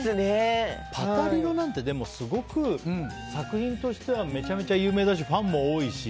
「パタリロ！」なんてすごく作品としてはめちゃめちゃ有名だしファンも多いし。